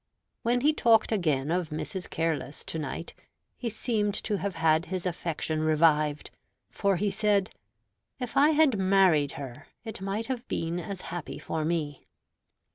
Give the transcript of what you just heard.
When he talked again of Mrs. Careless to night, he seemed to have had his affection revived; for he said, "If I had married her, it might have been as happy for me."